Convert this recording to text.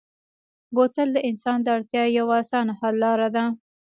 بوتل د انسان د اړتیا یوه اسانه حل لاره ده.